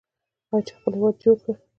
آیا چې خپل هیواد یې جوړ کړ؟